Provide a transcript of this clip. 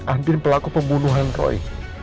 adil pelaku pembunuhan roy